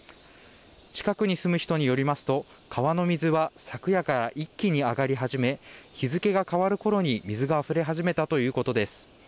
近くに住む人によりますと川の水は昨夜から一気に上がり始め日付が変わるころに水があふれ始めたということです。